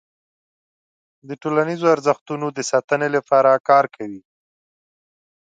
د ټولنیزو ارزښتونو د ساتنې لپاره کار کوي.